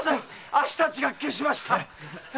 あっしたちが消しました。